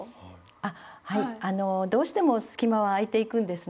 あはいどうしても隙間は空いていくんですね